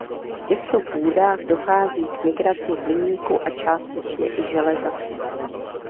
V těchto půdách dochází k migraci hliníku a částečně i železa.